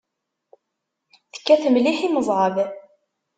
Tekkat mliḥ imẓad.